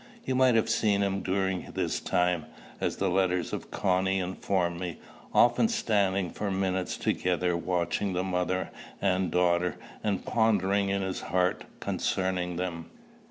You might have seen him during this time, as the letters of Connie informed me, often standing for minutes together watching the mother and daughter, and pondering in his heart concerning them.